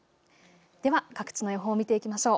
では各地の予報を見ていきましょう。